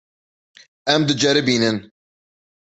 Em diceribînin.